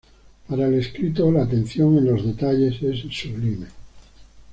Para el escritor "La atención en los detalles es sublime".